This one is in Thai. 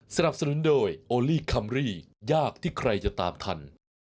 สนับสนุนโดยโอลี่คัมรี่ยากที่ใครจะตามทัน